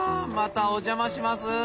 またお邪魔します。